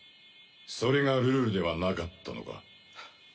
それがルールではなかったのか。